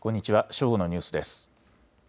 正午のニュースです。